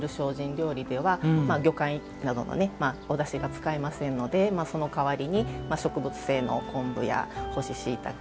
料理では魚介などのおだしが使えませんのでその代わりに植物性の昆布や干ししいたけ